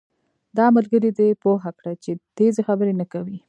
دا ملګری دې پوهه کړه چې تېزي خبرې نه کوي